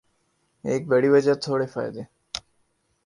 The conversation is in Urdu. ایک بڑِی وجہ تھوڑے فائدے